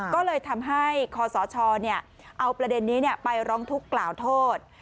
ก็เลยทำให้คศเอาประเด็นนี้ไปร้องทุกข์กล่าวโทษ